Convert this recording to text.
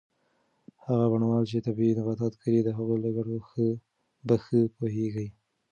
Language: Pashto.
هغه بڼوال چې طبي نباتات کري د هغوی له ګټو په ښه پوهیږي.